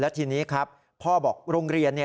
ทีนี้ครับพ่อบอกโรงเรียน